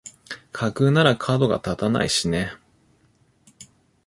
架空ならかどが立たないしね